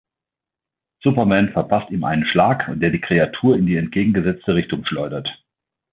Superman verpasst ihm einen Schlag, der die Kreatur in die entgegengesetzte Richtung schleudert.